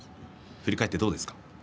振り返ってどうですか？